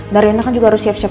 dan rena kan juga harus siap siap